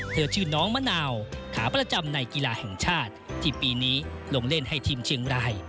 ชื่อน้องมะนาวขาประจำในกีฬาแห่งชาติที่ปีนี้ลงเล่นให้ทีมเชียงราย